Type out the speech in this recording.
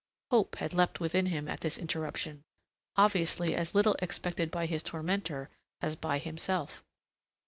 Hope had leapt within him at this interruption, obviously as little expected by his tormentor as by himself.